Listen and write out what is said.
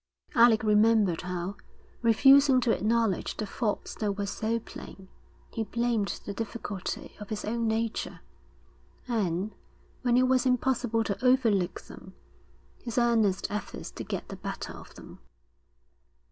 Alec remembered how, refusing to acknowledge the faults that were so plain, he blamed the difficulty of his own nature; and, when it was impossible to overlook them, his earnest efforts to get the better of them.